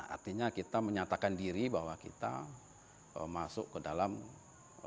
artinya kita menyatakan diri bahwa kita masuk ke dalam mobil